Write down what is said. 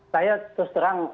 saya terus terang